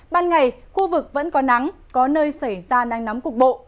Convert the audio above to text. ban ngày khu vực vẫn có nắng có nơi xảy ra nắng nóng cục bộ